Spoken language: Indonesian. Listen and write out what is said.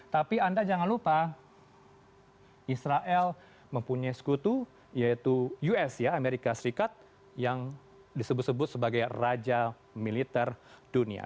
tapi anda jangan lupa israel mempunyai sekutu yaitu us amerika serikat yang disebut sebut sebagai raja militer dunia